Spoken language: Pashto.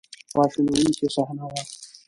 خواشینونکې صحنه وه.